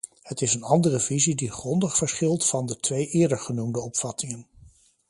Het is een andere visie die grondig verschilt van de twee eerder genoemde opvattingen.